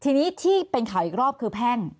ทีนี้ที่เป็นข่าวอีกรอบคือแพ่ง